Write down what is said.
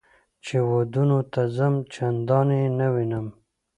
چې ودونو ته ځم چندان یې نه وینم.